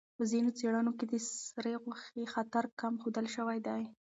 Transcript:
په ځینو څېړنو کې د سرې غوښې خطر کم ښودل شوی دی.